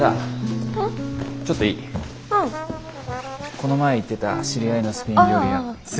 この前言ってた知り合いのスペイン料理屋。